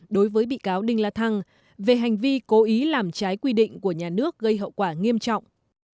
đối với bị cáo đinh la thăng về hành vi cố ý làm trái quy định của nhà nước gây hậu quả nghiêm trọng